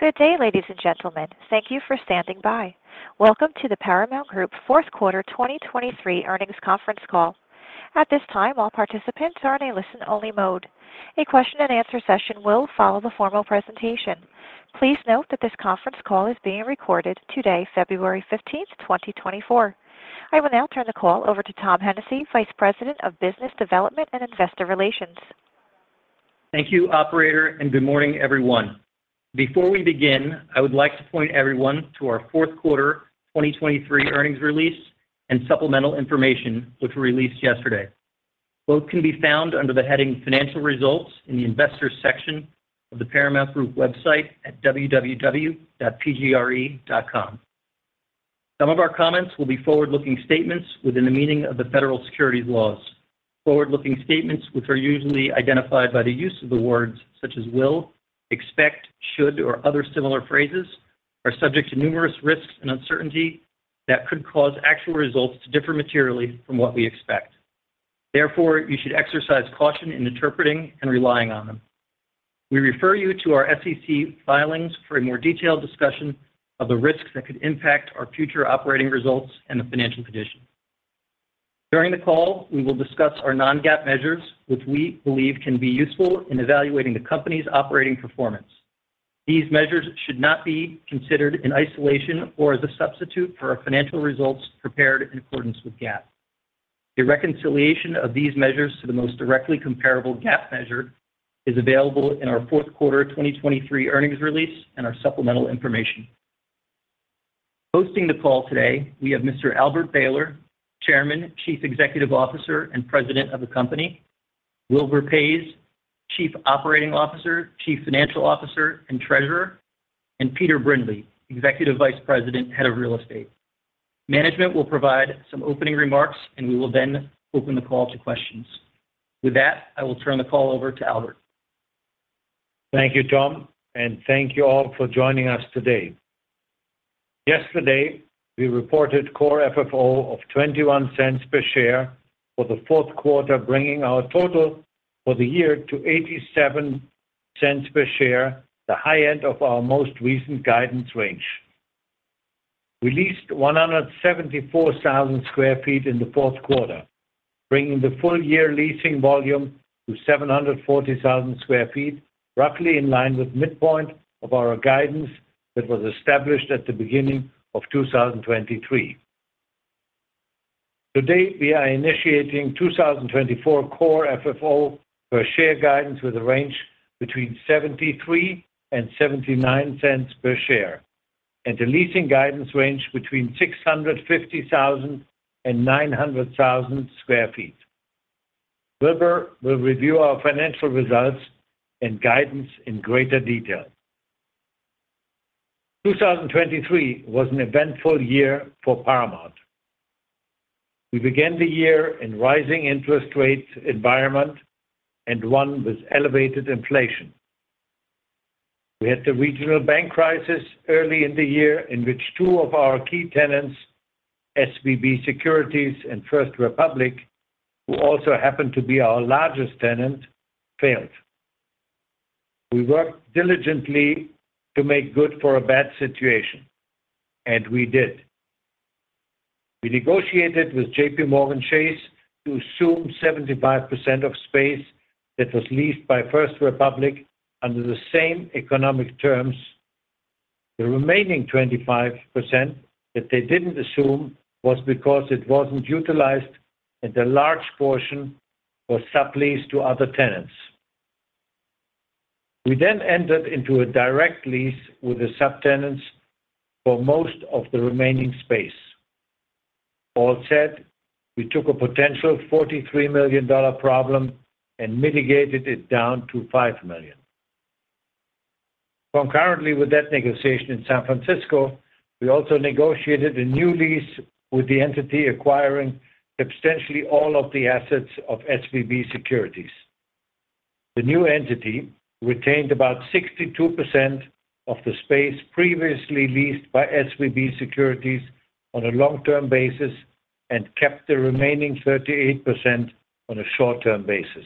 Good day, ladies and gentlemen. Thank you for standing by. Welcome to the Paramount Group fourth quarter 2023 earnings conference call. At this time, all participants are in a listen-only mode. A question-and-answer session will follow the formal presentation. Please note that this conference call is being recorded today, February 15th, 2024. I will now turn the call over to Tom Hennessy, Vice President of Business Development and Investor Relations. Thank you, Operator, and good morning, everyone. Before we begin, I would like to point everyone to our fourth quarter 2023 earnings release and supplemental information, which were released yesterday. Both can be found under the heading Financial Results in the Investors section of the Paramount Group website at www.pgre.com. Some of our comments will be forward-looking statements within the meaning of the federal securities laws. Forward-looking statements, which are usually identified by the use of the words such as will, expect, should, or other similar phrases, are subject to numerous risks and uncertainty that could cause actual results to differ materially from what we expect. Therefore, you should exercise caution in interpreting and relying on them. We refer you to our SEC filings for a more detailed discussion of the risks that could impact our future operating results and the financial conditions. During the call, we will discuss our non-GAAP measures, which we believe can be useful in evaluating the company's operating performance. These measures should not be considered in isolation or as a substitute for our financial results prepared in accordance with GAAP. A reconciliation of these measures to the most directly comparable GAAP measure is available in our fourth quarter 2023 earnings release and our supplemental information. Hosting the call today, we have Mr. Albert Behler, Chairman, Chief Executive Officer, and President of the company; Wilbur Paes, Chief Operating Officer, Chief Financial Officer, and Treasurer; and Peter Brindley, Executive Vice President, Head of Real Estate. Management will provide some opening remarks, and we will then open the call to questions. With that, I will turn the call over to Albert. Thank you, Tom, and thank you all for joining us today. Yesterday, we reported core FFO of $0.21 per share for the fourth quarter, bringing our total for the year to $0.87 per share, the high end of our most recent guidance range. We leased 174,000 sq ft in the fourth quarter, bringing the full-year leasing volume to 0.74 million sq ft, roughly in line with midpoint of our guidance that was established at the beginning of 2023. Today, we are initiating 2024 core FFO per share guidance with a range between $0.73-$0.79 per share and a leasing guidance range between 0.65 million-0.9 million sq ft. Wilbur will review our financial results and guidance in greater detail. 2023 was an eventful year for Paramount. We began the year in rising interest rates environment and one with elevated inflation. We had the regional bank crisis early in the year in which two of our key tenants, SVB Securities and First Republic, who also happened to be our largest tenant, failed. We worked diligently to make good for a bad situation, and we did. We negotiated with J.P. Morgan Chase to assume 75% of space that was leased by First Republic under the same economic terms. The remaining 25% that they didn't assume was because it wasn't utilized, and a large portion was subleased to other tenants. We then entered into a direct lease with the subtenants for most of the remaining space. All said, we took a potential $43 million problem and mitigated it down to $5 million. Concurrently with that negotiation in San Francisco, we also negotiated a new lease with the entity acquiring substantially all of the assets of SVB Securities. The new entity retained about 62% of the space previously leased by SVB Securities on a long-term basis and kept the remaining 38% on a short-term basis.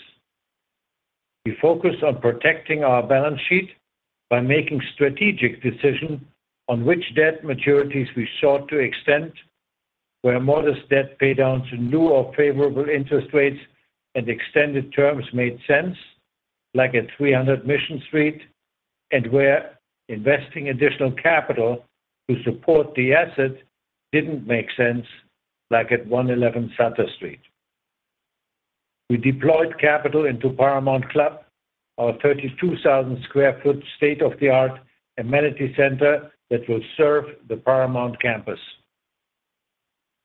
We focused on protecting our balance sheet by making strategic decisions on which debt maturities we sought to extend, where modest debt paydowns in low or favorable interest rates and extended terms made sense, like at 300 Mission Street, and where investing additional capital to support the asset didn't make sense, like at 111 Sutter Street. We deployed capital into Paramount Club, our 32,000 sq ft state-of-the-art amenity center that will serve the Paramount campus.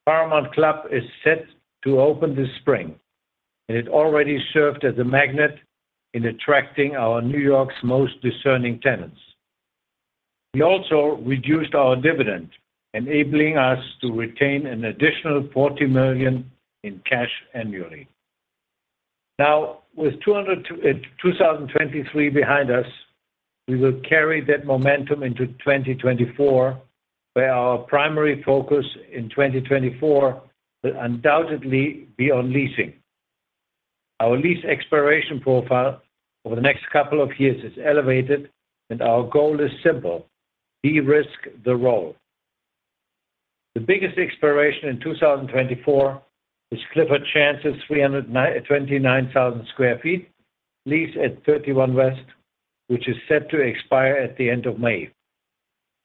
Paramount Club is set to open this spring, and it already served as a magnet in attracting our New York's most discerning tenants. We also reduced our dividend, enabling us to retain an additional $40 million in cash annually. Now, with 2023 behind us, we will carry that momentum into 2024, where our primary focus in 2024 will undoubtedly be on leasing. Our lease expiration profile over the next couple of years is elevated, and our goal is simple: derisk the roll. The biggest expiration in 2024 is Clifford Chance's 329,000 sq ft lease at 31 West, which is set to expire at the end of May.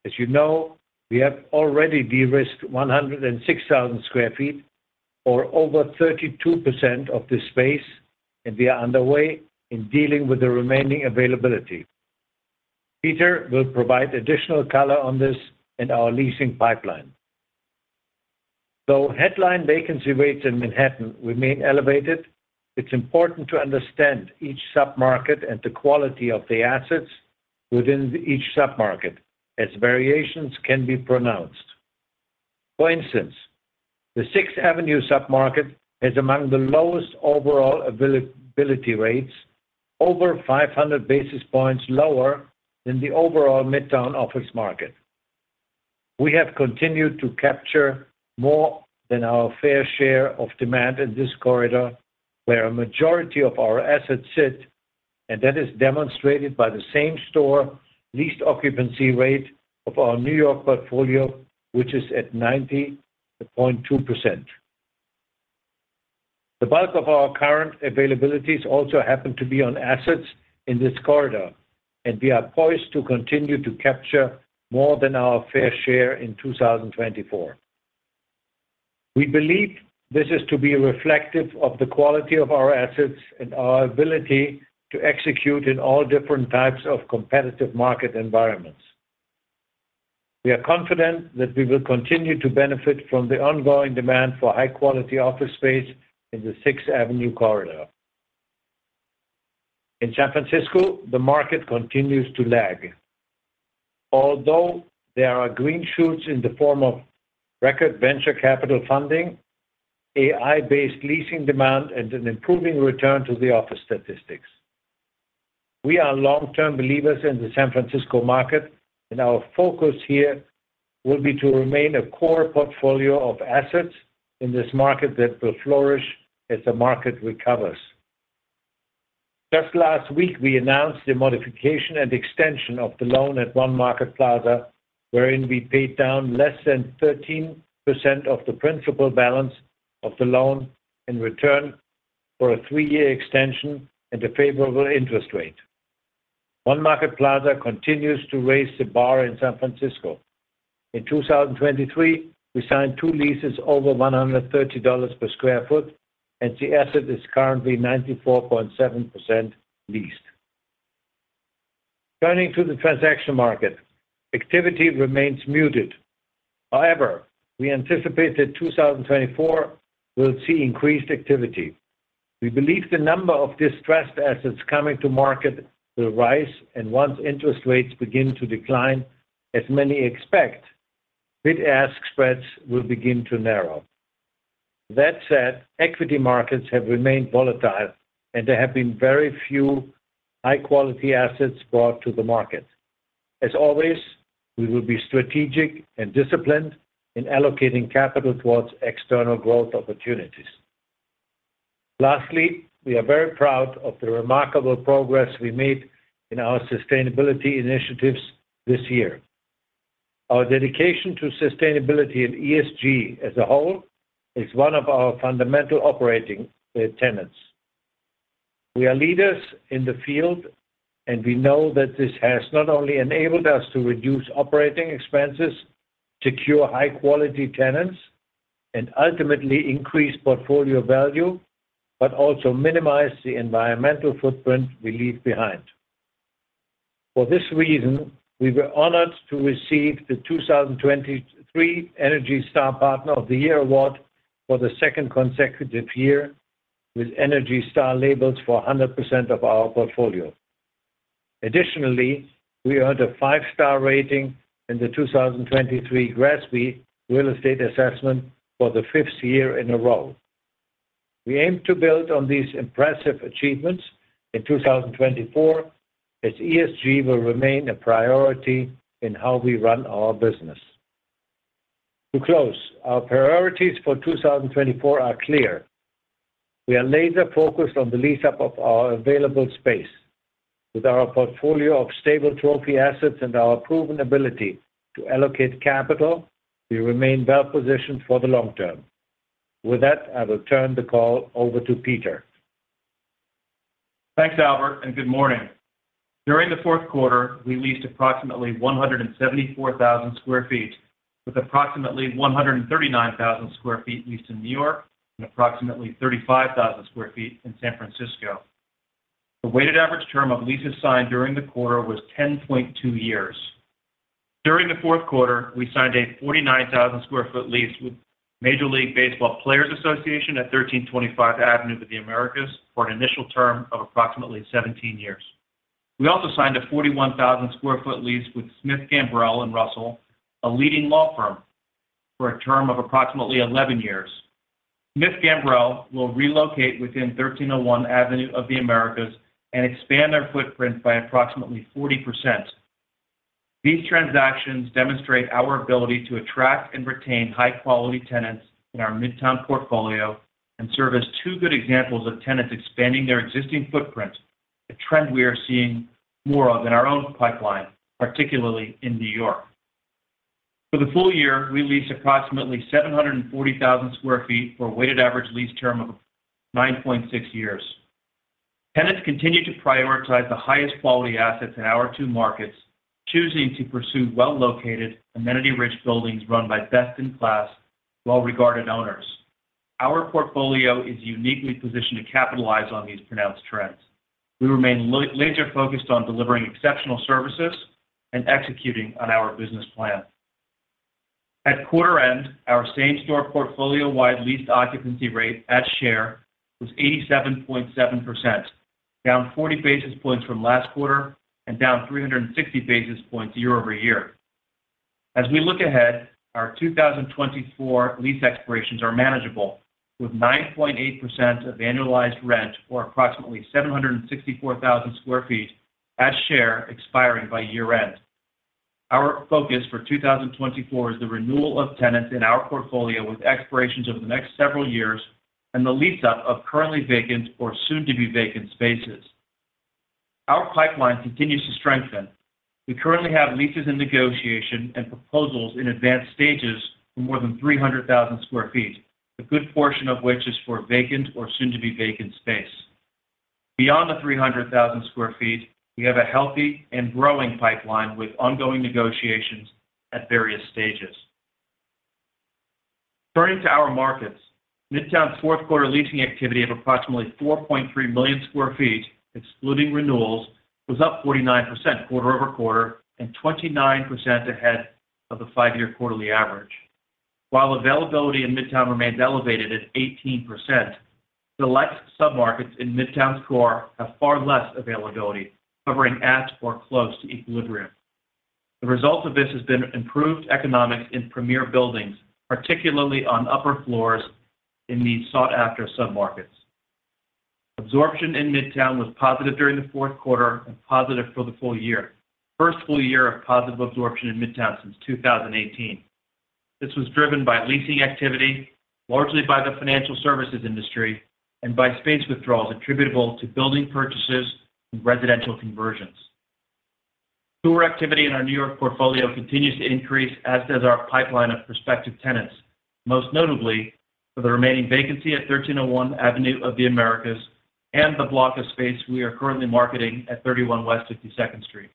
As you know, we have already derisked 106,000 sq ft, or over 32% of the space, and we are underway in dealing with the remaining availability. Peter will provide additional color on this and our leasing pipeline. Though headline vacancy rates in Manhattan remain elevated, it's important to understand each submarket and the quality of the assets within each submarket, as variations can be pronounced. For instance, the Sixth Avenue submarket has among the lowest overall availability rates, over 500 basis points lower than the overall Midtown office market. We have continued to capture more than our fair share of demand in this corridor, where a majority of our assets sit, and that is demonstrated by the same-store leased occupancy rate of our New York portfolio, which is at 90.2%. The bulk of our current availabilities also happen to be on assets in this corridor, and we are poised to continue to capture more than our fair share in 2024. We believe this is to be reflective of the quality of our assets and our ability to execute in all different types of competitive market environments. We are confident that we will continue to benefit from the ongoing demand for high-quality office space in the Sixth Avenue corridor. In San Francisco, the market continues to lag. Although there are green shoots in the form of record venture capital funding, AI-based leasing demand, and an improving return to the office statistics. We are long-term believers in the San Francisco market, and our focus here will be to remain a core portfolio of assets in this market that will flourish as the market recovers. Just last week, we announced the modification and extension of the loan at One Market Plaza, wherein we paid down less than 13% of the principal balance of the loan in return for a three-year extension and a favorable interest rate. One Market Plaza continues to raise the bar in San Francisco. In 2023, we signed two leases over $130 per sq ft, and the asset is currently 94.7% leased. Turning to the transaction market, activity remains muted. However, we anticipate that 2024 will see increased activity. We believe the number of distressed assets coming to market will rise, and once interest rates begin to decline, as many expect, bid-ask spreads will begin to narrow. That said, equity markets have remained volatile, and there have been very few high-quality assets brought to the market. As always, we will be strategic and disciplined in allocating capital towards external growth opportunities. Lastly, we are very proud of the remarkable progress we made in our sustainability initiatives this year. Our dedication to sustainability and ESG as a whole is one of our fundamental operating tenets. We are leaders in the field, and we know that this has not only enabled us to reduce operating expenses, secure high-quality tenants, and ultimately increase portfolio value, but also minimize the environmental footprint we leave behind. For this reason, we were honored to receive the 2023 Energy Star Partner of the Year award for the second consecutive year with Energy Star labels for 100% of our portfolio. Additionally, we earned a five-star rating in the 2023 GRESB Real Estate Assessment for the fifth year in a row. We aim to build on these impressive achievements in 2024, as ESG will remain a priority in how we run our business. To close, our priorities for 2024 are clear. We are laser-focused on the lease-up of our available space. With our portfolio of stable trophy assets and our proven ability to allocate capital, we remain well-positioned for the long term. With that, I will turn the call over to Peter. Thanks, Albert, and good morning. During the fourth quarter, we leased approximately 174,000 sq ft, with approximately 139,000 sq ft leased in New York and approximately 35,000 sq ft in San Francisco. The weighted average term of leases signed during the quarter was 10.2 years. During the fourth quarter, we signed a 49,000 sq ft lease with Major League Baseball Players Association at 1325 Avenue of the Americas for an initial term of approximately 17 years. We also signed a 41,000 sq ft lease with Smith, Gambrell & Russell, a leading law firm, for a term of approximately 11 years. Smith, Gambrell will relocate within 1301 Avenue of the Americas and expand their footprint by approximately 40%. These transactions demonstrate our ability to attract and retain high-quality tenants in our Midtown portfolio and serve as two good examples of tenants expanding their existing footprint, a trend we are seeing more of in our own pipeline, particularly in New York. For the full year, we leased approximately 0.74 million sq ft for a weighted average lease term of 9.6 years. Tenants continue to prioritize the highest quality assets in our two markets, choosing to pursue well-located, amenity-rich buildings run by best-in-class, well-regarded owners. Our portfolio is uniquely positioned to capitalize on these pronounced trends. We remain laser-focused on delivering exceptional services and executing on our business plan. At quarter-end, our same-store portfolio-wide leased occupancy rate at share was 87.7%, down 40 basis points from last quarter and down 360 basis points year-over-year. As we look ahead, our 2024 lease expirations are manageable, with 9.8% of annualized rent, or approximately 764,000 sq ft, at share expiring by year-end. Our focus for 2024 is the renewal of tenants in our portfolio with expirations over the next several years and the lease-up of currently vacant or soon-to-be vacant spaces. Our pipeline continues to strengthen. We currently have leases in negotiation and proposals in advanced stages for more than 300,000 sq ft, a good portion of which is for vacant or soon-to-be vacant space. Beyond the 300,000 sq ft, we have a healthy and growing pipeline with ongoing negotiations at various stages. Turning to our markets, Midtown's fourth-quarter leasing activity of approximately 4.3 million sq ft, excluding renewals, was up 49% quarter-over-quarter and 29% ahead of the five-year quarterly average. While availability in Midtown remains elevated at 18%, select submarkets in Midtown's core have far less availability, hovering at or close to equilibrium. The result of this has been improved economics in premier buildings, particularly on upper floors in these sought-after submarkets. Absorption in Midtown was positive during the fourth quarter and positive for the full year, first full year of positive absorption in Midtown since 2018. This was driven by leasing activity, largely by the financial services industry, and by space withdrawals attributable to building purchases and residential conversions. Tour activity in our New York portfolio continues to increase, as does our pipeline of prospective tenants, most notably for the remaining vacancy at 1301 Avenue of the Americas and the block of space we are currently marketing at 31 West 52nd Street.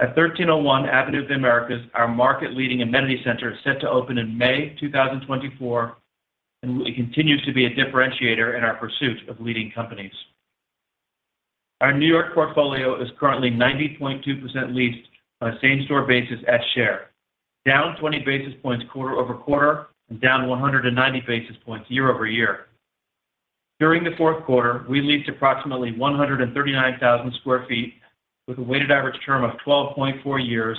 At 1301 Avenue of the Americas, our market-leading amenity center is set to open in May 2024, and it continues to be a differentiator in our pursuit of leading companies. Our New York portfolio is currently 90.2% leased on a same-store basis at share, down 20 basis points quarter-over-quarter and down 190 basis points year-over-year. During the fourth quarter, we leased approximately 139,000 sq ft with a weighted average term of 12.4 years,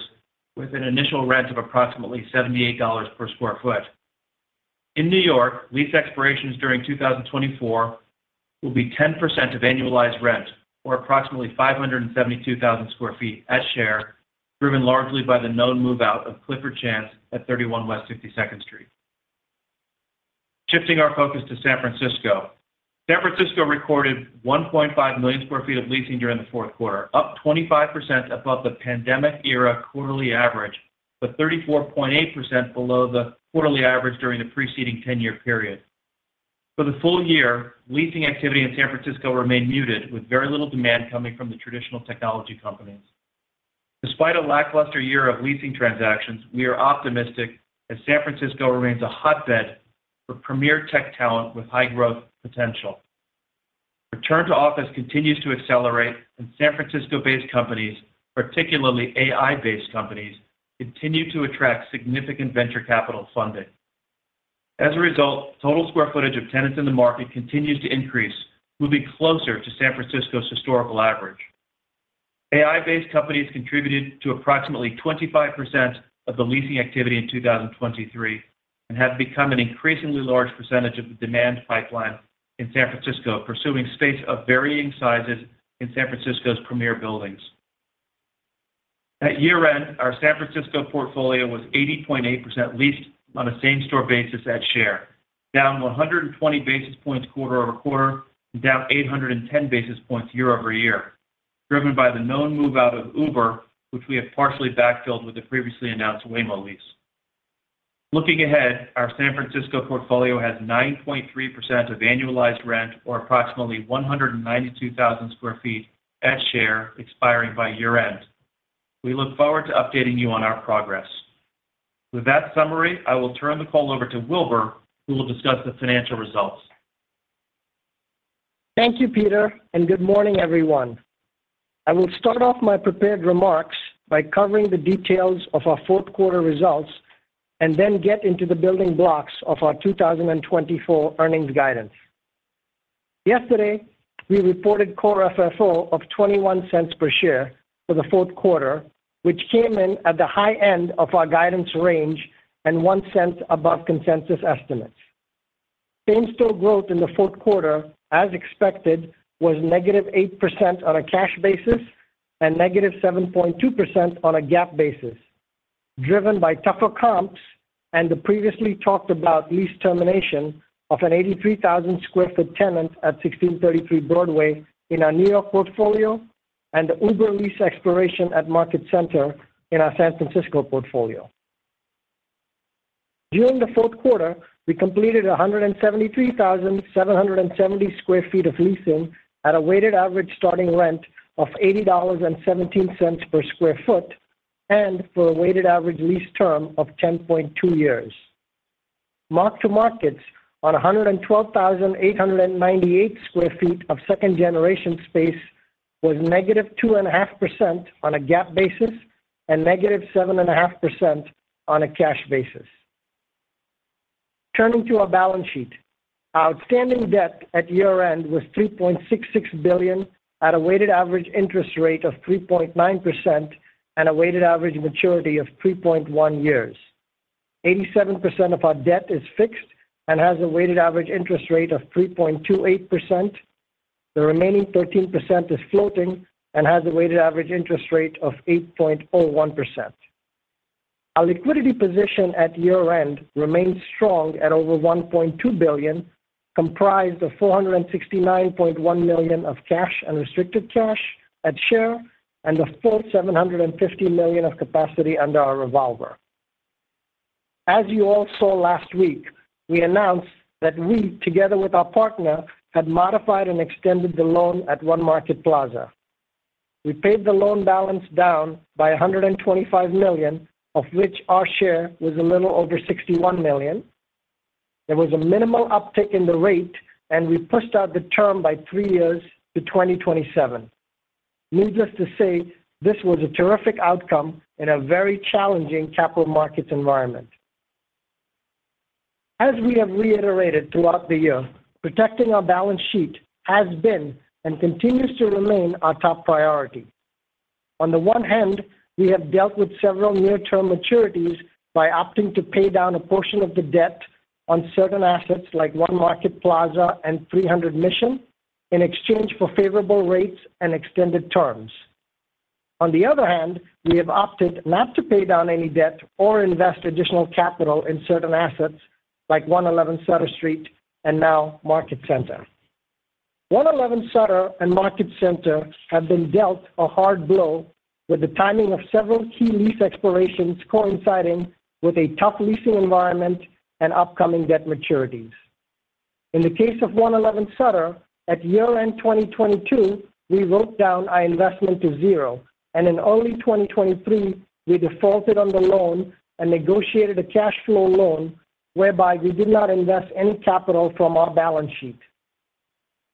with an initial rent of approximately $78 per sq ft. In New York, lease expirations during 2024 will be 10% of annualized rent, or approximately 572,000 sq ft at share, driven largely by the known move-out of Clifford Chance at 31 West 52nd Street. Shifting our focus to San Francisco, San Francisco recorded 1.5 million sq ft of leasing during the fourth quarter, up 25% above the pandemic-era quarterly average but 34.8% below the quarterly average during the preceding 10-year period. For the full year, leasing activity in San Francisco remained muted, with very little demand coming from the traditional technology companies. Despite a lackluster year of leasing transactions, we are optimistic as San Francisco remains a hotbed for premier tech talent with high growth potential. Return to office continues to accelerate, and San Francisco-based companies, particularly AI-based companies, continue to attract significant venture capital funding. As a result, total square footage of tenants in the market continues to increase, moving closer to San Francisco's historical average. AI-based companies contributed to approximately 25% of the leasing activity in 2023 and have become an increasingly large percentage of the demand pipeline in San Francisco, pursuing space of varying sizes in San Francisco's premier buildings. At year-end, our San Francisco portfolio was 80.8% leased on a same-store basis at share, down 120 basis points quarter-over-quarter and down 810 basis points year-over-year, driven by the known move-out of Uber, which we have partially backfilled with the previously announced Waymo lease. Looking ahead, our San Francisco portfolio has 9.3% of annualized rent, or approximately 192,000 sq ft at share, expiring by year-end. We look forward to updating you on our progress. With that summary, I will turn the call over to Wilbur, who will discuss the financial results. Thank you, Peter, and good morning, everyone. I will start off my prepared remarks by covering the details of our fourth-quarter results and then get into the building blocks of our 2024 earnings guidance. Yesterday, we reported Core FFO of $0.21 per share for the fourth quarter, which came in at the high end of our guidance range and $0.01 above consensus estimates. Same-store growth in the fourth quarter, as expected, was -8% on a cash basis and -7.2% on a GAAP basis, driven by tougher comps and the previously talked about lease termination of an 83,000 sq ft tenant at 1633 Broadway in our New York portfolio and the Uber lease expiration at Market Center in our San Francisco portfolio. During the fourth quarter, we completed 173,770 sq ft of leasing at a weighted average starting rent of $80.17 per sq ft and for a weighted average lease term of 10.2 years. Mark-to-market on 112,898 sq ft of second-generation space was negative 2.5% on a GAAP basis and negative 7.5% on a cash basis. Turning to our balance sheet, our outstanding debt at year-end was $3.66 billion at a weighted average interest rate of 3.9% and a weighted average maturity of 3.1 years. 87% of our debt is fixed and has a weighted average interest rate of 3.28%. The remaining 13% is floating and has a weighted average interest rate of 8.01%. Our liquidity position at year-end remains strong at over $1.2 billion, comprised of $469.1 million of cash and restricted cash on hand and the full $750 million of capacity under our revolver. As you all saw last week, we announced that we, together with our partner, had modified and extended the loan at One Market Plaza. We paid the loan balance down by $125 million, of which our share was a little over $61 million. There was a minimal uptick in the rate, and we pushed out the term by three years to 2027. Needless to say, this was a terrific outcome in a very challenging capital markets environment. As we have reiterated throughout the year, protecting our balance sheet has been and continues to remain our top priority. On the one hand, we have dealt with several near-term maturities by opting to pay down a portion of the debt on certain assets like One Market Plaza and 300 Mission in exchange for favorable rates and extended terms. On the other hand, we have opted not to pay down any debt or invest additional capital in certain assets like 111 Sutter Street and now Market Center. 111 Sutter and Market Center have been dealt a hard blow, with the timing of several key lease expirations coinciding with a tough leasing environment and upcoming debt maturities. In the case of 111 Sutter, at year-end 2022, we wrote down our investment to zero, and in early 2023, we defaulted on the loan and negotiated a cash flow loan whereby we did not invest any capital from our balance sheet.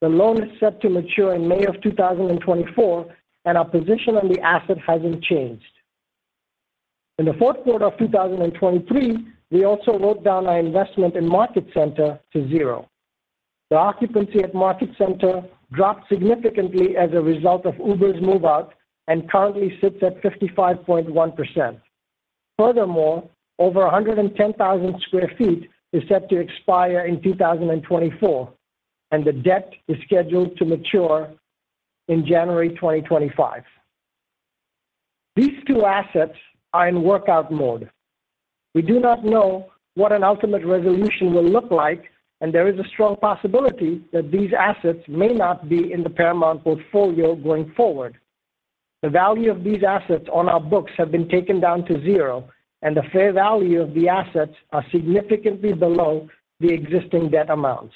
The loan is set to mature in May of 2024, and our position on the asset hasn't changed. In the fourth quarter of 2023, we also wrote down our investment in Market Center to zero. The occupancy at Market Center dropped significantly as a result of Uber's move-out and currently sits at 55.1%. Furthermore, over 110,000 sq ft is set to expire in 2024, and the debt is scheduled to mature in January 2025. These two assets are in workout mode. We do not know what an ultimate resolution will look like, and there is a strong possibility that these assets may not be in the Paramount portfolio going forward. The value of these assets on our books has been taken down to zero, and the fair value of the assets is significantly below the existing debt amounts.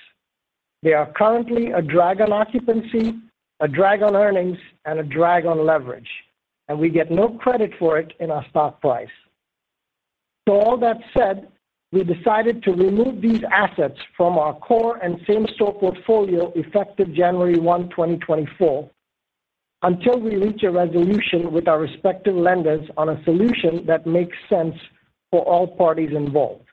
They are currently a drag on occupancy, a drag on earnings, and a drag on leverage, and we get no credit for it in our stock price. So all that said, we decided to remove these assets from our core and same-store portfolio effective January 1, 2024, until we reach a resolution with our respective lenders on a solution that makes sense for all parties involved.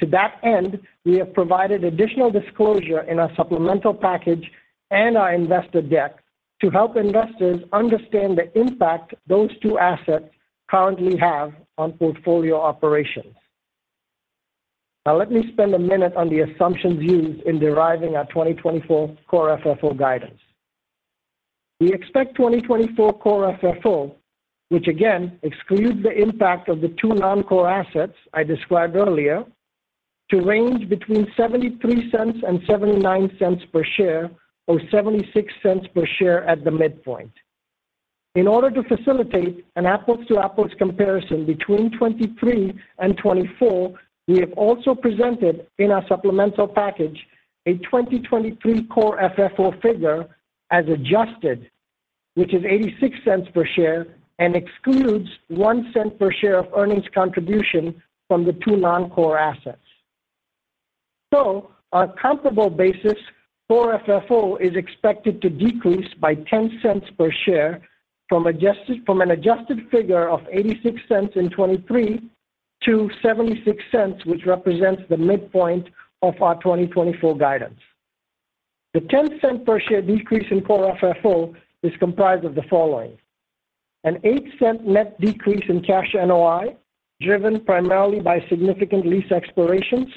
To that end, we have provided additional disclosure in our supplemental package and our investor deck to help investors understand the impact those two assets currently have on portfolio operations. Now, let me spend a minute on the assumptions used in deriving our 2024 Core FFO guidance. We expect 2024 Core FFO, which again excludes the impact of the two non-core assets I described earlier, to range between $0.73-$0.79 per share, or $0.76 per share at the midpoint. In order to facilitate an apples-to-apples comparison between 2023 and 2024, we have also presented in our supplemental package a 2023 core FFO figure as adjusted, which is $0.86 per share and excludes $0.01 per share of earnings contribution from the two non-core assets. So on a comparable basis, core FFO is expected to decrease by $0.10 per share from an adjusted figure of $0.86 in 2023 to $0.76, which represents the midpoint of our 2024 guidance. The $0.10 per share decrease in core FFO is comprised of the following: an $0.08 net decrease in cash NOI driven primarily by significant lease expirations,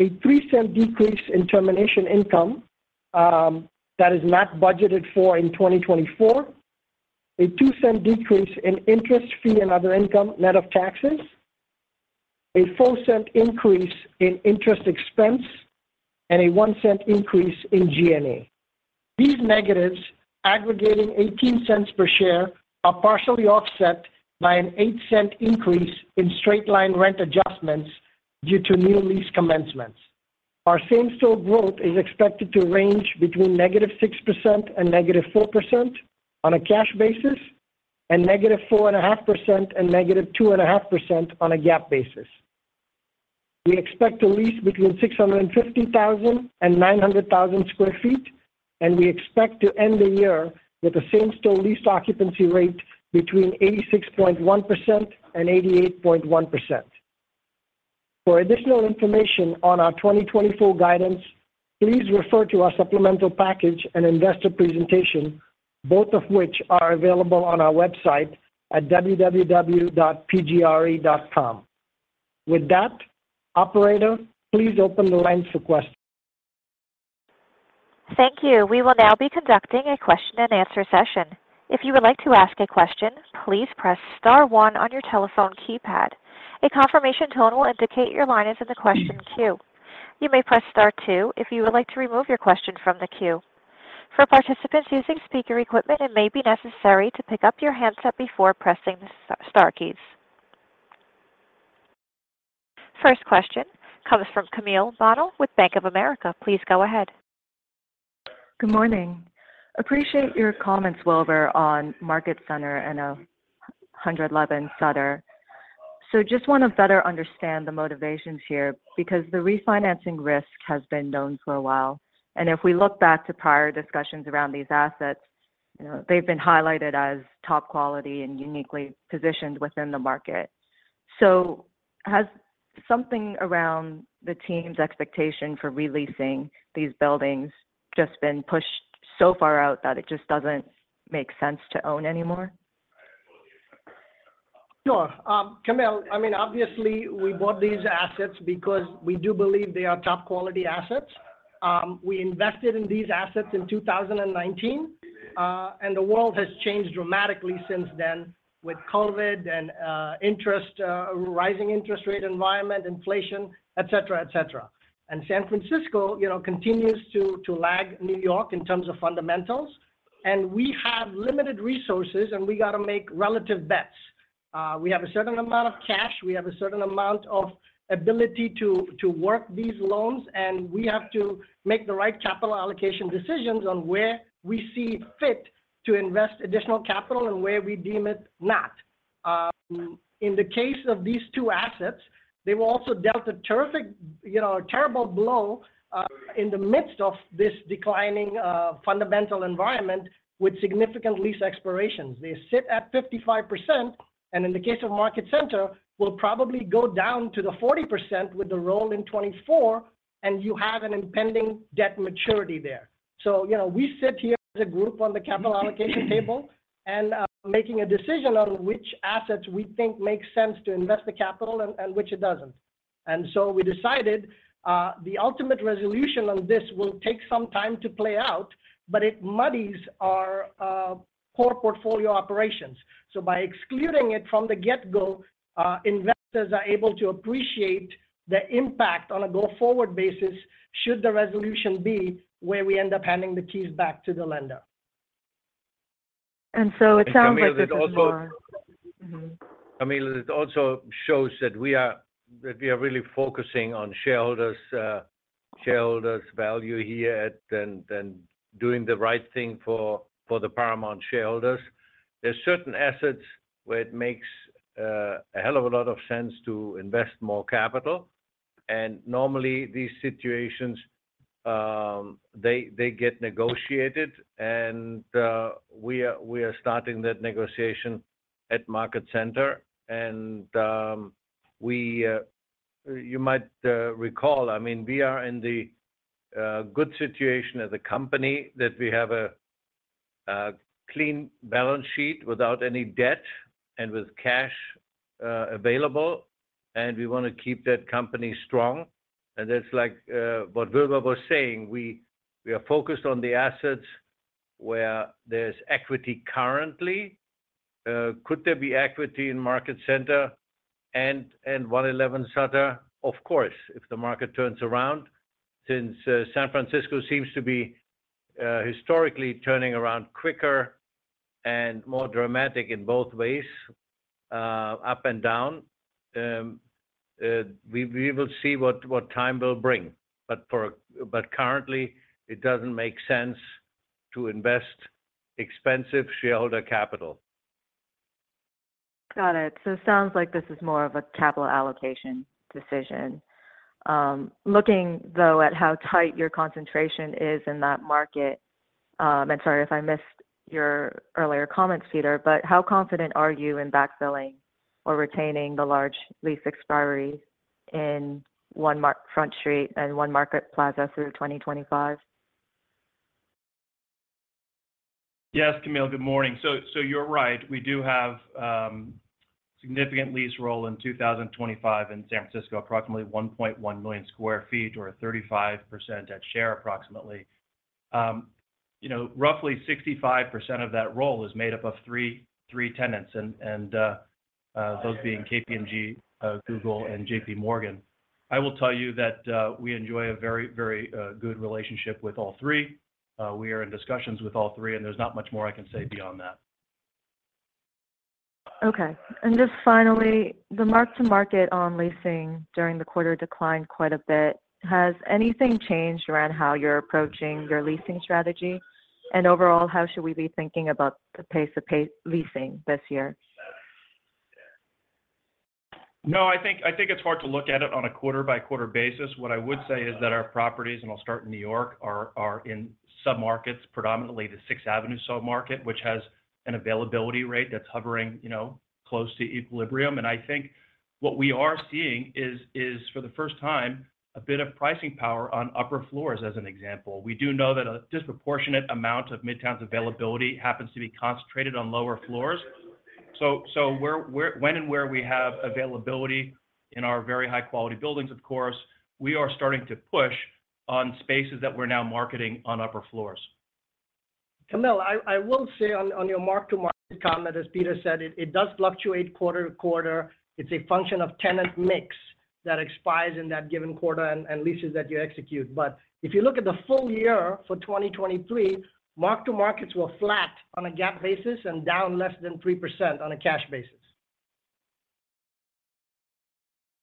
a $0.03 decrease in termination income that is not budgeted for in 2024, a $0.02 decrease in interest fee and other income net of taxes, a $0.04 increase in interest expense, and a $0.01 increase in G&A. These negatives, aggregating $0.18 per share, are partially offset by an $0.08 increase in straight-line rent adjustments due to new lease commencements. Our same-store growth is expected to range between -6% and -4% on a cash basis and -4.5% and -2.5% on a GAAP basis. We expect to lease between 0.65 million sq ft and 0.9 million sq ft, and we expect to end the year with a same-store lease occupancy rate between 86.1%-88.1%. For additional information on our 2024 guidance, please refer to our supplemental package and investor presentation, both of which are available on our website at www.pgre.com. With that, operator, please open the lines for questions. Thank you. We will now be conducting a question-and-answer session. If you would like to ask a question, please press star one on your telephone keypad. A confirmation tone will indicate your line is in the question queue. You may press star two if you would like to remove your question from the queue. For participants using speaker equipment, it may be necessary to pick up your handset before pressing the star keys. First question comes from Camille Bonnel with Bank of America. Please go ahead. Good morning. Appreciate your comments, Wilbur, on Market Center and 111 Sutter. Just want to better understand the motivations here because the refinancing risk has been known for a while. If we look back to prior discussions around these assets, they've been highlighted as top quality and uniquely positioned within the market. Has something around the team's expectation for releasing these buildings just been pushed so far out that it just doesn't make sense to own anymore? Sure. Camille, I mean, obviously, we bought these assets because we do believe they are top quality assets. We invested in these assets in 2019, and the world has changed dramatically since then with COVID and rising interest rate environment, inflation, etc., etc. San Francisco continues to lag New York in terms of fundamentals. We have limited resources, and we got to make relative bets. We have a certain amount of cash. We have a certain amount of ability to work these loans, and we have to make the right capital allocation decisions on where we see it fit to invest additional capital and where we deem it not. In the case of these two assets, they were also dealt a terrible blow in the midst of this declining fundamental environment with significant lease expirations. They sit at 55%, and in the case of Market Center, will probably go down to the 40% with the roll in 2024, and you have an impending debt maturity there. So we sit here as a group on the capital allocation table and making a decision on which assets we think make sense to invest the capital and which it doesn't. And so we decided the ultimate resolution on this will take some time to play out, but it muddies our core portfolio operations. So by excluding it from the get-go, investors are able to appreciate the impact on a go-forward basis should the resolution be where we end up handing the keys back to the lender. And so it sounds like there's more. And Camille, it also shows that we are really focusing on shareholders' value here and doing the right thing for the Paramount shareholders. There's certain assets where it makes a hell of a lot of sense to invest more capital. And normally, these situations, they get negotiated, and we are starting that negotiation at Market Center. And you might recall, I mean, we are in the good situation as a company that we have a clean balance sheet without any debt and with cash available. And we want to keep that company strong. And that's like what Wilbur was saying. We are focused on the assets where there's equity currently. Could there be equity in Market Center and 111 Sutter? Of course, if the market turns around, since San Francisco seems to be historically turning around quicker and more dramatic in both ways, up and down, we will see what time will bring. But currently, it doesn't make sense to invest expensive shareholder capital. Got it. So it sounds like this is more of a capital allocation decision. Looking, though, at how tight your concentration is in that market and sorry if I missed your earlier comments, Peter, but how confident are you in backfilling or retaining the large lease expiry in One Front Street and One Market Plaza through 2025? Yes, Camille, good morning. So you're right. We do have a significant lease roll in 2025 in San Francisco, approximately 1.1 million sq ft or 35% at share, approximately. Roughly 65% of that roll is made up of three tenants, and those being KPMG, Google, and J.P. Morgan. I will tell you that we enjoy a very, very good relationship with all three. We are in discussions with all three, and there's not much more I can say beyond that. Okay. And just finally, the mark-to-market on leasing during the quarter declined quite a bit. Has anything changed around how you're approaching your leasing strategy? And overall, how should we be thinking about the pace of leasing this year? No, I think it's hard to look at it on a quarter-by-quarter basis. What I would say is that our properties, and I'll start in New York, are in submarkets, predominantly the Sixth Avenue submarket, which has an availability rate that's hovering close to equilibrium. And I think what we are seeing is, for the first time, a bit of pricing power on upper floors, as an example. We do know that a disproportionate amount of Midtown's availability happens to be concentrated on lower floors. So when and where we have availability in our very high-quality buildings, of course, we are starting to push on spaces that we're now marketing on upper floors. Camille, I will say on your mark-to-market comment, as Peter said, it does fluctuate quarter to quarter. It's a function of tenant mix that expires in that given quarter and leases that you execute. But if you look at the full year for 2023, mark-to-markets were flat on a GAAP basis and down less than 3% on a cash basis.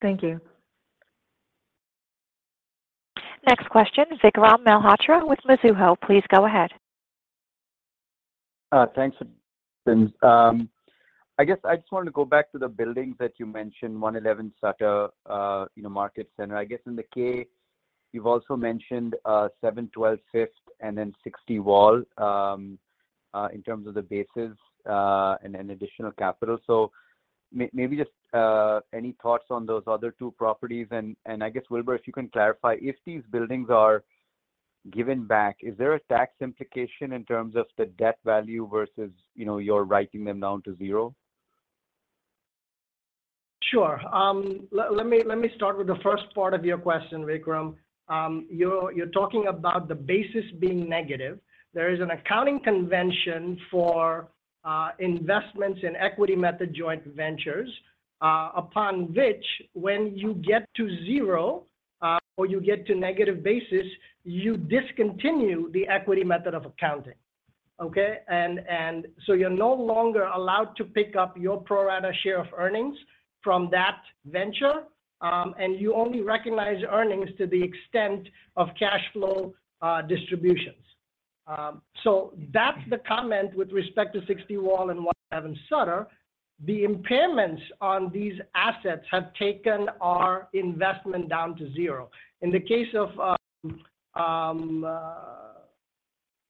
Thank you. Next question, Vikram Malhotra with Mizuho. Please go ahead. Thanks. I guess I just wanted to go back to the buildings that you mentioned, 111 Sutter, Market Center. I guess in the 10-K filing, you've also mentioned 712 Fifth Avenue and then 60 Wall Street in terms of the basis and additional capital. So maybe just any thoughts on those other two properties? And I guess, Wilbur, if you can clarify, if these buildings are given back, is there a tax implication in terms of the debt value versus you're writing them down to zero? Sure. Let me start with the first part of your question, Vikram. You're talking about the basis being negative. There is an accounting convention for investments in equity method joint ventures, upon which when you get to zero or you get to negative basis, you discontinue the equity method of accounting, okay? And so you're no longer allowed to pick up your pro-rata share of earnings from that venture, and you only recognize earnings to the extent of cash flow distributions. So that's the comment with respect to 60 Wall Street and 111 Sutter. The impairments on these assets have taken our investment down to zero. In the case of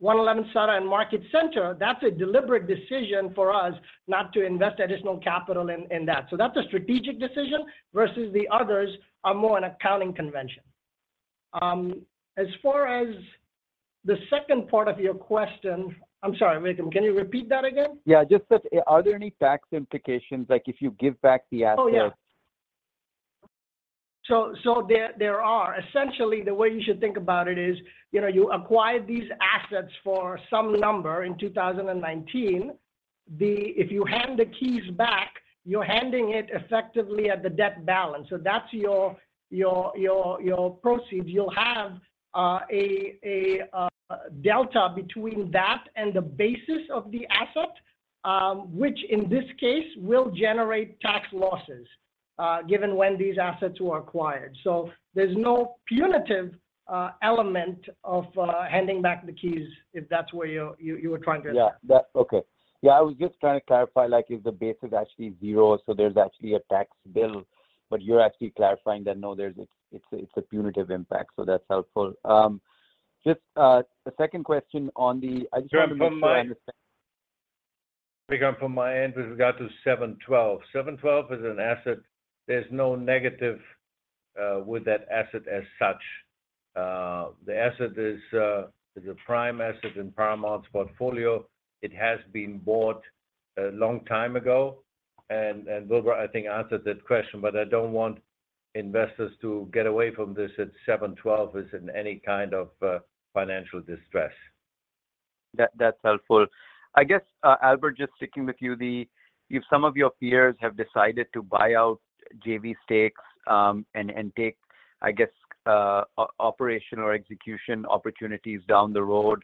111 Sutter and Market Center, that's a deliberate decision for us not to invest additional capital in that. So that's a strategic decision versus the others are more an accounting convention. As far as the second part of your question, I'm sorry, Vikram. Can you repeat that again? Yeah. Just that, are there any tax implications if you give back the assets? Oh, yeah. So there are. Essentially, the way you should think about it is you acquired these assets for some number in 2019. If you hand the keys back, you're handing it effectively at the debt balance. So that's your proceeds. You'll have a delta between that and the basis of the asset, which in this case will generate tax losses given when these assets were acquired. So there's no punitive element of handing back the keys if that's what you were trying to explain. Yeah. Okay. Yeah, I was just trying to clarify if the basis is actually zero, so there's actually a tax bill. But you're actually clarifying that, no, it's a punitive impact. So that's helpful. Just a second question on the I just wanted to make sure I understand. Vikram, from my end, we've got to 712 Fifth Avenue. 712 Fifth Avenue is an asset. There's no negative with that asset as such. The asset is a prime asset in Paramount's portfolio. It has been bought a long time ago. Wilbur, I think, answered that question. I don't want investors to get away from this that 712 Fifth Avenue is in any kind of financial distress. That's helpful. I guess, Albert, just sticking with you, some of your peers have decided to buy out JV stakes and take, I guess, operational or execution opportunities down the road,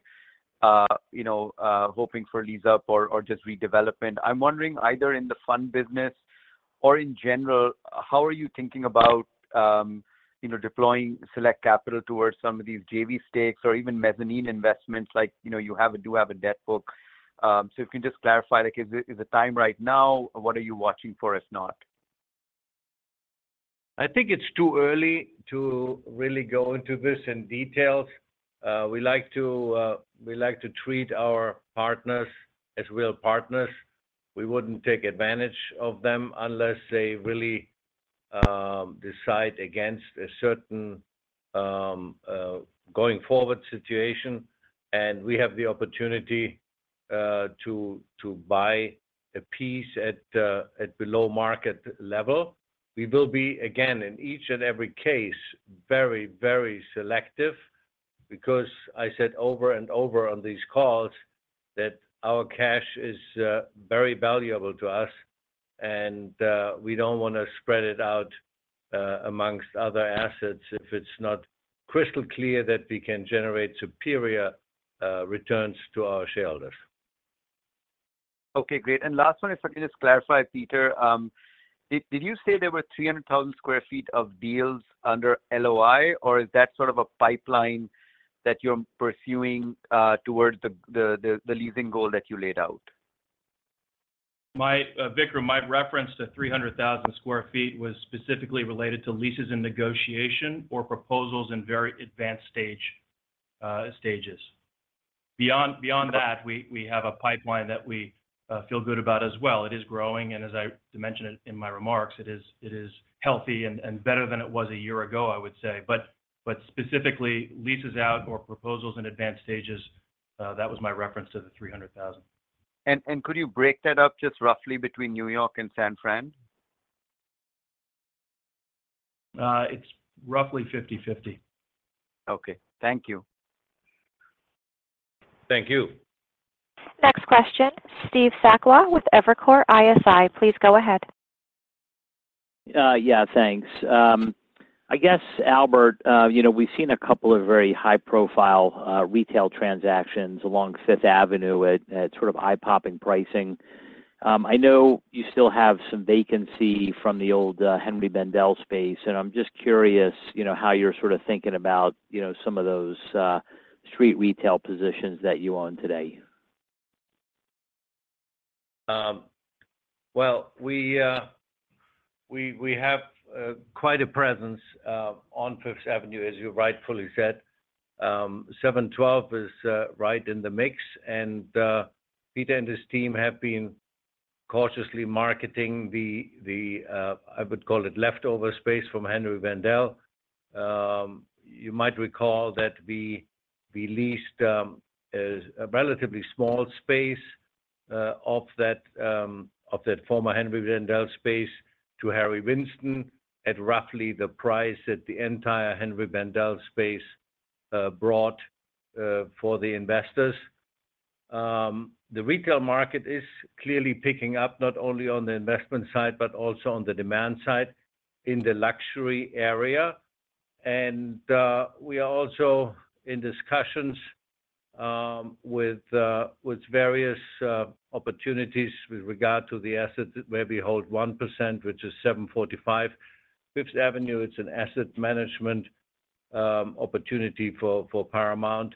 hoping for lease-up or just redevelopment. I'm wondering, either in the fund business or in general, how are you thinking about deploying select capital towards some of these JV stakes or even mezzanine investments like you do have a debt book? So if you can just clarify, is it time right now? What are you watching for if not? I think it's too early to really go into this in details. We like to treat our partners as real partners. We wouldn't take advantage of them unless they really decide against a certain going-forward situation. We have the opportunity to buy a piece at below-market level. We will be, again, in each and every case, very, very selective because I said over and over on these calls that our cash is very valuable to us, and we don't want to spread it out amongst other assets if it's not crystal clear that we can generate superior returns to our shareholders. Okay, great. Last one, if I can just clarify, Peter, did you say there were 300,000 sq ft of deals under LOI, or is that sort of a pipeline that you're pursuing towards the leasing goal that you laid out? Vikram, my reference to 300,000 sq ft was specifically related to leases in negotiation or proposals in very advanced stages. Beyond that, we have a pipeline that we feel good about as well. It is growing. And as I mentioned in my remarks, it is healthy and better than it was a year ago, I would say. But specifically, leases out or proposals in advanced stages, that was my reference to the 300,000 sq ft. Could you break that up just roughly between New York and San Fran? It's roughly 50/50. Okay. Thank you. Thank you. Next question, Steve Sakwa with Evercore ISI. Please go ahead. Yeah, thanks. I guess, Albert, we've seen a couple of very high-profile retail transactions along Fifth Avenue at sort of eye-popping pricing. I know you still have some vacancy from the old Henri Bendel space, and I'm just curious how you're sort of thinking about some of those street retail positions that you own today. Well, we have quite a presence on Fifth Avenue, as you rightfully said. 712 Fifth Avenue is right in the mix. Peter and his team have been cautiously marketing the, I would call it, leftover space from Henri Bendel. You might recall that we leased a relatively small space of that former Henri Bendel space to Harry Winston at roughly the price that the entire Henri Bendel space brought for the investors. The retail market is clearly picking up not only on the investment side but also on the demand side in the luxury area. We are also in discussions with various opportunities with regard to the assets where we hold 1%, which is 745 Fifth Avenue, it's an asset management opportunity for Paramount.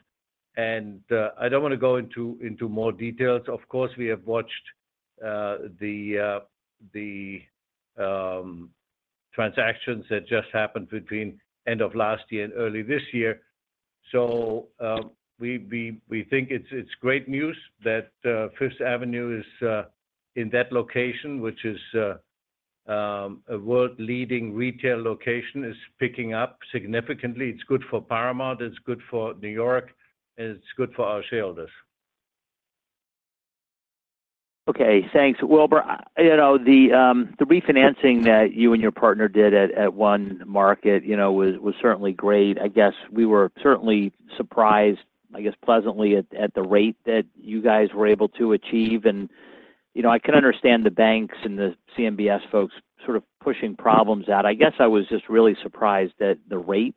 I don't want to go into more details. Of course, we have watched the transactions that just happened between end of last year and early this year. So we think it's great news that Fifth Avenue is in that location, which is a world-leading retail location, is picking up significantly. It's good for Paramount. It's good for New York. And it's good for our shareholders. Okay. Thanks. Wilbur, the refinancing that you and your partner did at One Market was certainly great. I guess we were certainly surprised, I guess pleasantly, at the rate that you guys were able to achieve. I can understand the banks and the CMBS folks sort of pushing problems out. I guess I was just really surprised that the rate,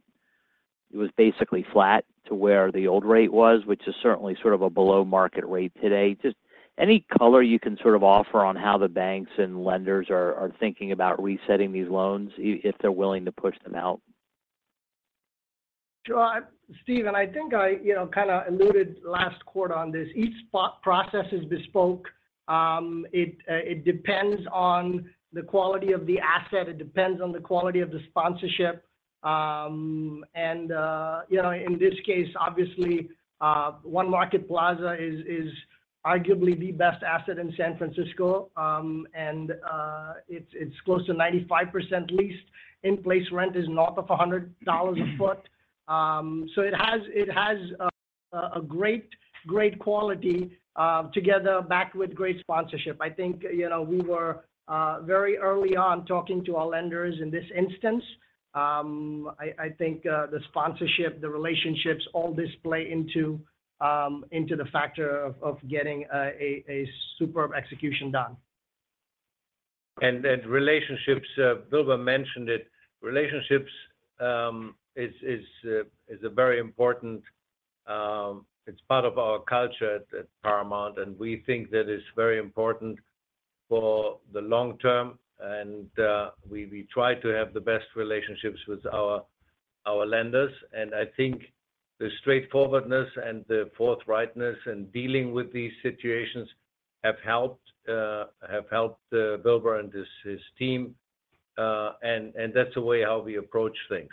it was basically flat to where the old rate was, which is certainly sort of a below-market rate today. Just any color you can sort of offer on how the banks and lenders are thinking about resetting these loans if they're willing to push them out? Sure. Steven, I think I kind of alluded last quarter on this. Each process is bespoke. It depends on the quality of the asset. It depends on the quality of the sponsorship. And in this case, obviously, One Market Plaza is arguably the best asset in San Francisco. And it's close to 95% leased. In-place rent is north of $100 a foot. So it has a great, great quality together backed with great sponsorship. I think we were very early on talking to our lenders in this instance. I think the sponsorship, the relationships, all this play into the factor of getting a superb execution done. And relationships, Wilbur mentioned it. Relationships is a very important it's part of our culture at Paramount. And we think that it's very important for the long term. And we try to have the best relationships with our lenders. I think the straightforwardness and the forthrightness in dealing with these situations have helped Wilbur and his team. That's the way how we approach things.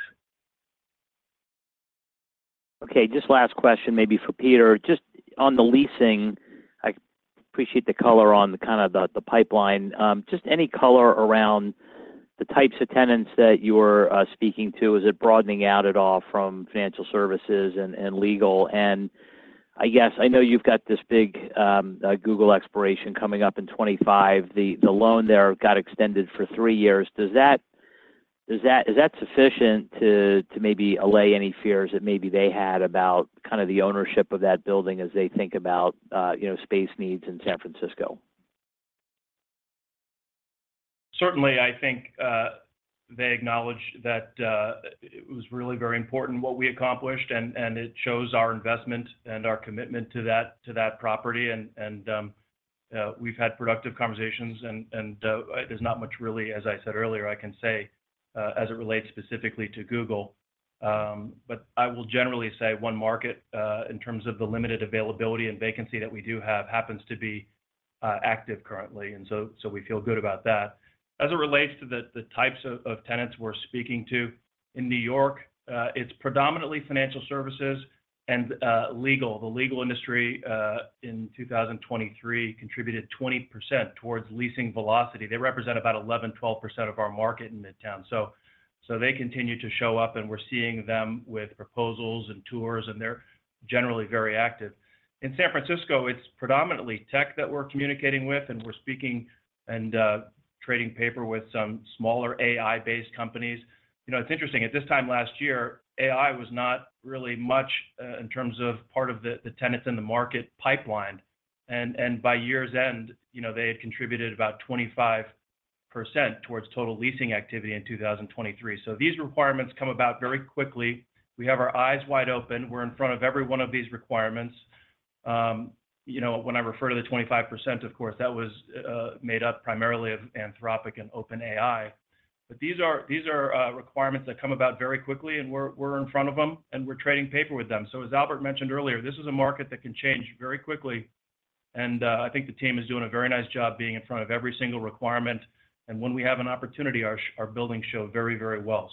Okay. Just last question maybe for Peter. Just on the leasing, I appreciate the color on kind of the pipeline. Just any color around the types of tenants that you were speaking to? Is it broadening out at all from financial services and legal? And I guess I know you've got this big Google expiration coming up in 2025. The loan there got extended for three years. Is that sufficient to maybe allay any fears that maybe they had about kind of the ownership of that building as they think about space needs in San Francisco? Certainly, I think they acknowledged that it was really very important what we accomplished. And it shows our investment and our commitment to that property. And we've had productive conversations. And there's not much really, as I said earlier, I can say as it relates specifically to Google. But I will generally say One Market, in terms of the limited availability and vacancy that we do have, happens to be active currently. And so we feel good about that. As it relates to the types of tenants we're speaking to, in New York, it's predominantly financial services and legal. The legal industry in 2023 contributed 20% towards leasing velocity. They represent about 11%-12% of our market in Midtown. So they continue to show up. And we're seeing them with proposals and tours. And they're generally very active. In San Francisco, it's predominantly tech that we're communicating with. We're speaking and trading paper with some smaller AI-based companies. It's interesting. At this time last year, AI was not really much in terms of part of the tenants in the market pipeline. By year's end, they had contributed about 25% towards total leasing activity in 2023. So these requirements come about very quickly. We have our eyes wide open. We're in front of every one of these requirements. When I refer to the 25%, of course, that was made up primarily of Anthropic and OpenAI. But these are requirements that come about very quickly. And we're in front of them. And we're trading paper with them. So as Albert mentioned earlier, this is a market that can change very quickly. And I think the team is doing a very nice job being in front of every single requirement. When we have an opportunity, our buildings show very, very well.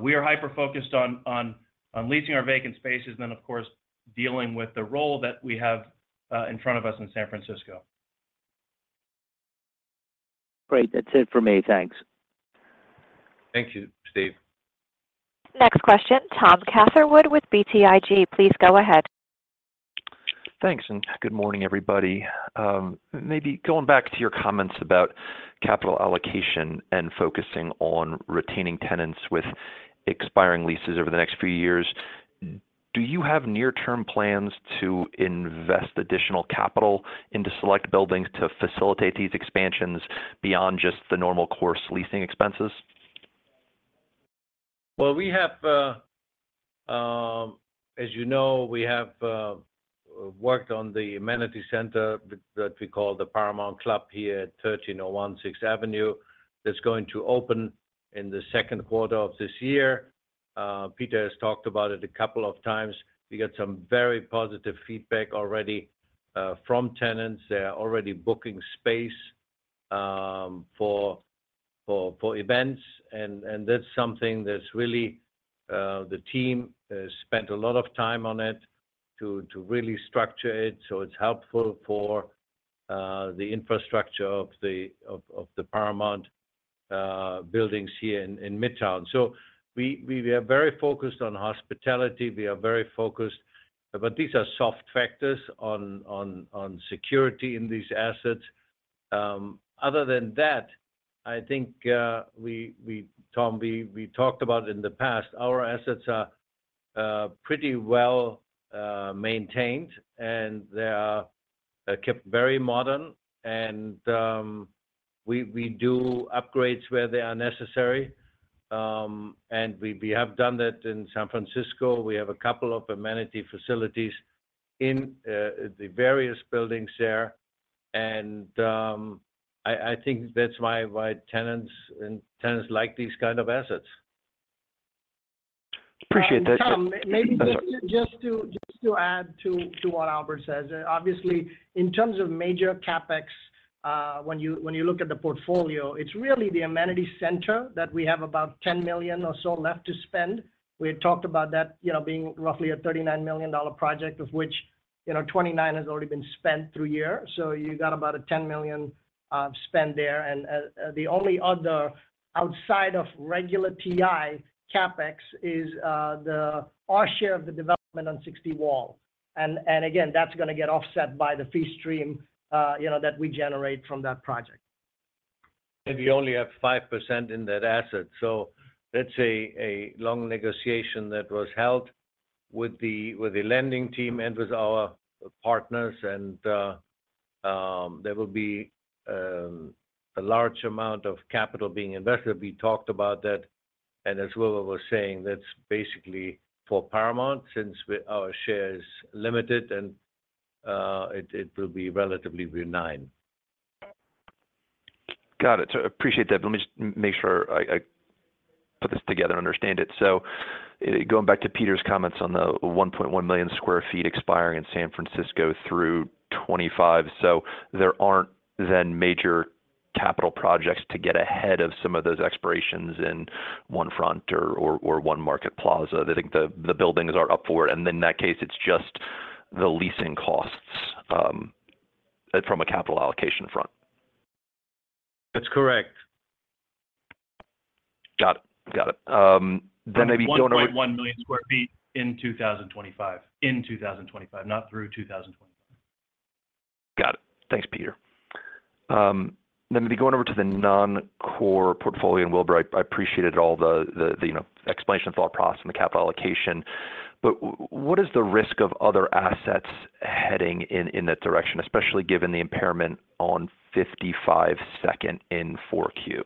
We are hyper-focused on leasing our vacant spaces and then, of course, dealing with the roll that we have in front of us in San Francisco. Great. That's it for me. Thanks. Thank you, Steve. Next question, Tom Catherwood with BTIG. Please go ahead. Thanks. Good morning, everybody. Maybe going back to your comments about capital allocation and focusing on retaining tenants with expiring leases over the next few years, do you have near-term plans to invest additional capital into select buildings to facilitate these expansions beyond just the normal course leasing expenses? Well, as you know, we have worked on the amenity center that we call the Paramount Club here at 1301 6th Avenue that's going to open in the second quarter of this year. Peter has talked about it a couple of times. We got some very positive feedback already from tenants. They are already booking space for events. And that's something that's really the team spent a lot of time on it to really structure it. So it's helpful for the infrastructure of the Paramount buildings here in Midtown. So we are very focused on hospitality. We are very focused. But these are soft factors on security in these assets. Other than that, I think, Tom, we talked about in the past, our assets are pretty well maintained. They are kept very modern. We do upgrades where they are necessary. We have done that in San Francisco. We have a couple of amenity facilities in the various buildings there. I think that's why tenants like these kind of assets. Appreciate that. Tom, maybe just to add to what Albert says. Obviously, in terms of major capex, when you look at the portfolio, it's really the amenity center that we have about $10 million or so left to spend. We had talked about that being roughly a $39 million project, of which $29 million has already been spent through year. So you got about a $10 million spend there. The only other outside of regular TI capex is our share of the development on 60 Wall Street. Again, that's going to get offset by the fee stream that we generate from that project. We only have 5% in that asset. So that's a long negotiation that was held with the lending team and with our partners. There will be a large amount of capital being invested. We talked about that. As Wilbur was saying, that's basically for Paramount since our share is limited. It will be relatively benign. Got it. Appreciate that. Let me just make sure I put this together and understand it. So going back to Peter's comments on the 1.1 million sq ft expiring in San Francisco through 2025, so there aren't then major capital projects to get ahead of some of those expirations in One Front Street or One Market Plaza. They think the buildings are up for it. And then in that case, it's just the leasing costs from a capital allocation front. That's correct. Got it. Got it. Then maybe going over. 1.1 million sq ft in 2025, not through 2025. Got it. Thanks, Peter. Then maybe going over to the non-core portfolio, and Wilbur, I appreciated all the explanation of thought process and the capital allocation. But what is the risk of other assets heading in that direction, especially given the impairment on 55 Second Street in 4Q?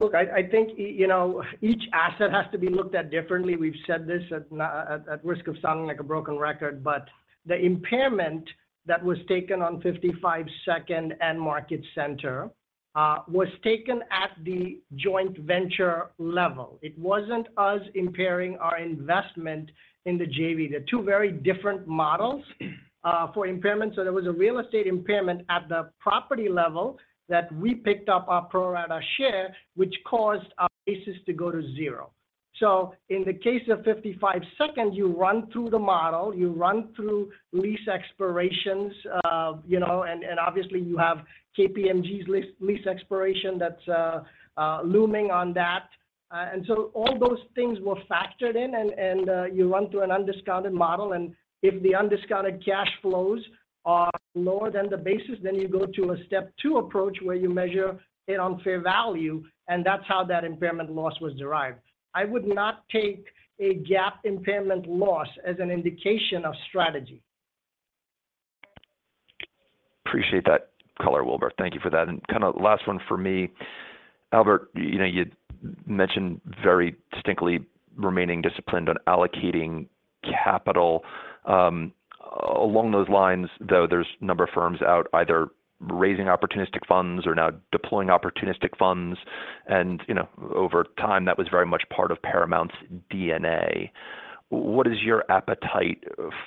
Look, I think each asset has to be looked at differently. We've said this at risk of sounding like a broken record. But the impairment that was taken on 55 Second Street and Market Center was taken at the joint venture level. It wasn't us impairing our investment in the JV. They're two very different models for impairments. So there was a real estate impairment at the property level that we picked up our pro-rata share, which caused our basis to go to zero. So in the case of 55 Second Street, you run through the model. You run through lease expirations. And obviously, you have KPMG's lease expiration that's looming on that. And so all those things were factored in. And you run through an undiscounted model. If the undiscounted cash flows are lower than the basis, then you go to a step two approach where you measure it on fair value. That's how that impairment loss was derived. I would not take a GAAP impairment loss as an indication of strategy. Appreciate that color, Wilbur. Thank you for that. And kind of last one for me. Albert, you mentioned very distinctly remaining disciplined on allocating capital. Along those lines, though, there's a number of firms out either raising opportunistic funds or now deploying opportunistic funds. And over time, that was very much part of Paramount's DNA. What is your appetite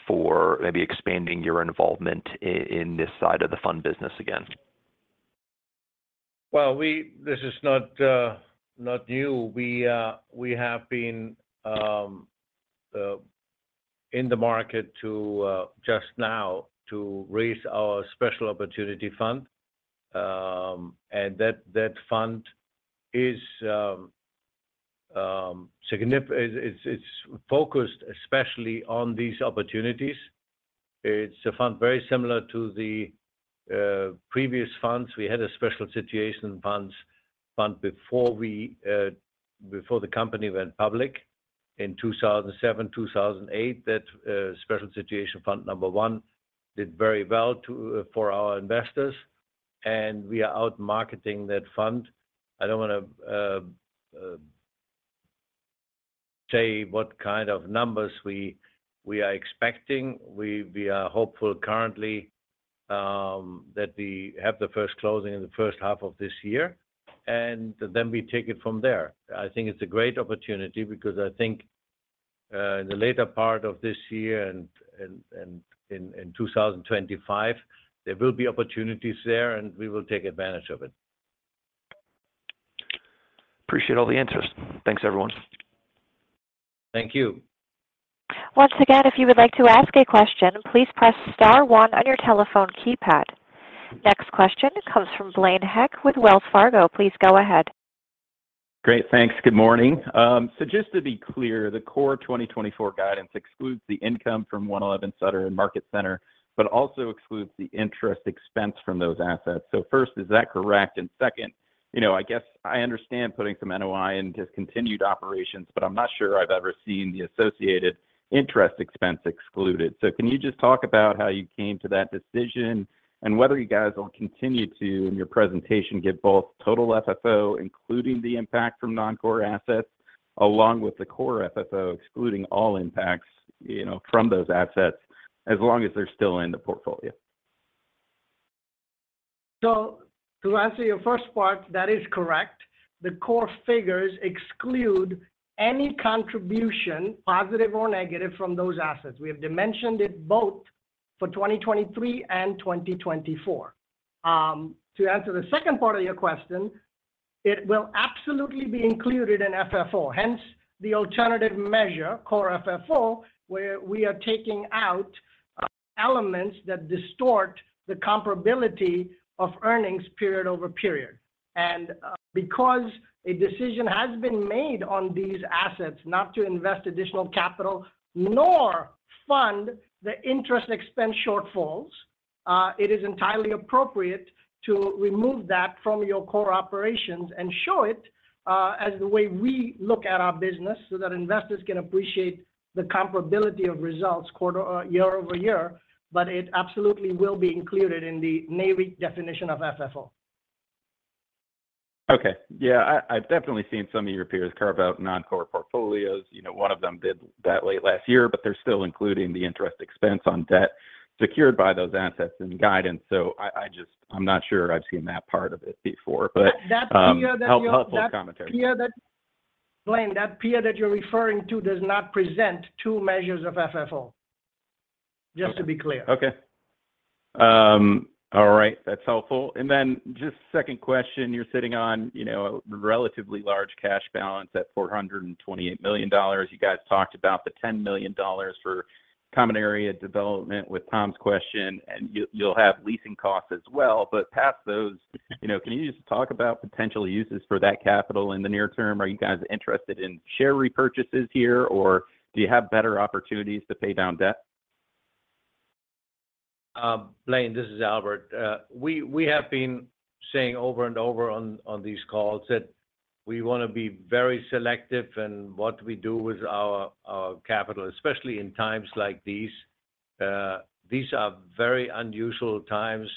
for maybe expanding your involvement in this side of the fund business again? Well, this is not new. We have been in the market just now to raise our special opportunity fund. That fund is focused especially on these opportunities. It's a fund very similar to the previous funds. We had a special situation fund before the company went public in 2007, 2008. That special situation fund number one did very well for our investors. We are out marketing that fund. I don't want to say what kind of numbers we are expecting. We are hopeful currently that we have the first closing in the first half of this year. Then we take it from there. I think it's a great opportunity because I think in the later part of this year and in 2025, there will be opportunities there. We will take advantage of it. Appreciate all the answers. Thanks, everyone. Thank you. Once again, if you would like to ask a question, please press star one on your telephone keypad. Next question comes from Blaine Heck with Wells Fargo. Please go ahead. Great. Thanks. Good morning. So just to be clear, the core 2024 guidance excludes the income from 111 Sutter and Market Center, but also excludes the interest expense from those assets. So first, is that correct? And second, I guess I understand putting some NOI into continued operations, but I'm not sure I've ever seen the associated interest expense excluded. So can you just talk about how you came to that decision and whether you guys will continue to, in your presentation, get both total FFO, including the impact from non-core assets, along with the core FFO, excluding all impacts from those assets, as long as they're still in the portfolio? To answer your first part, that is correct. The core figures exclude any contribution, positive or negative, from those assets. We have dimensioned it both for 2023 and 2024. To answer the second part of your question, it will absolutely be included in FFO. Hence, the alternative measure, core FFO, where we are taking out elements that distort the comparability of earnings period over period. Because a decision has been made on these assets not to invest additional capital nor fund the interest expense shortfalls, it is entirely appropriate to remove that from your core operations and show it as the way we look at our business so that investors can appreciate the comparability of results year over year. It absolutely will be included in the Nareit definition of FFO. Okay. Yeah. I've definitely seen some of your peers carve out non-core portfolios. One of them did that late last year. But they're still including the interest expense on debt secured by those assets in guidance. So I'm not sure I've seen that part of it before. But that's a helpful commentary. Blaine, that peer that you're referring to does not present two measures of FFO, just to be clear. Okay. All right. That's helpful. And then just second question, you're sitting on a relatively large cash balance at $428 million. You guys talked about the $10 million for common area development with Tom's question. And you'll have leasing costs as well. But past those, can you just talk about potential uses for that capital in the near term? Are you guys interested in share repurchases here? Or do you have better opportunities to pay down debt? Blaine, this is Albert. We have been saying over and over on these calls that we want to be very selective in what we do with our capital, especially in times like these. These are very unusual times.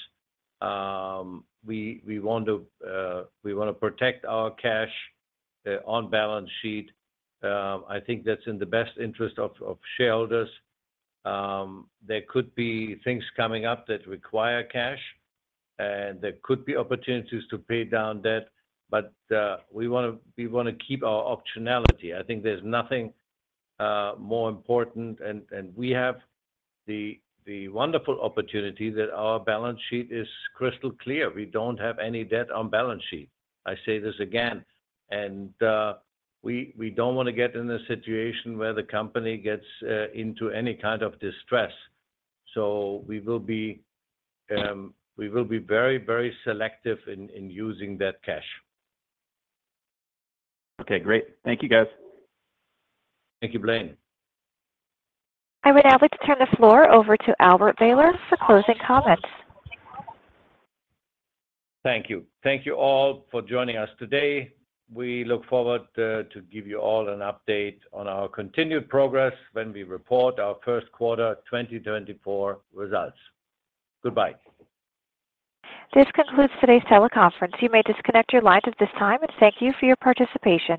We want to protect our cash on balance sheet. I think that's in the best interest of shareholders. There could be things coming up that require cash. And there could be opportunities to pay down debt. But we want to keep our optionality. I think there's nothing more important. And we have the wonderful opportunity that our balance sheet is crystal clear. We don't have any debt on balance sheet. I say this again. And we don't want to get in a situation where the company gets into any kind of distress. So we will be very, very selective in using that cash. Okay. Great. Thank you, guys. Thank you, Blaine. I would now like to turn the floor over to Albert Behler for closing comments. Thank you. Thank you all for joining us today. We look forward to giving you all an update on our continued progress when we report our first quarter 2024 results. Goodbye. This concludes today's teleconference. You may disconnect your lines at this time. Thank you for your participation.